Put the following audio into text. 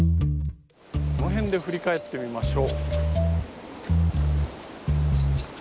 この辺で振り返ってみましょう。